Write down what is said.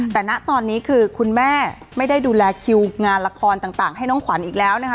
แต่ณตอนนี้คือคุณแม่ไม่ได้ดูแลคิวงานละครต่างให้น้องขวัญอีกแล้วนะคะ